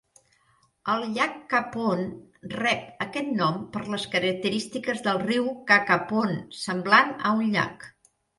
El llac Capon rep aquest nom per les característiques del riu Cacapon, semblant a un llac.